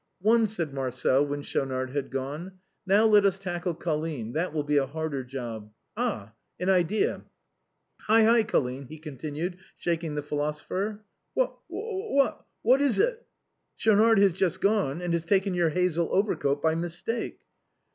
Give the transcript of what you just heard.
" One," said Marcel, when Schaunard had gone. " Now let us tackle Colline, that will be a harder job. Ah! an idea. Hi, hi. Colline," he continued, shaking the philoso pher. "What? what? what is it?" " Schaunard has just gone, and has taken your hazel overcoat by mistake."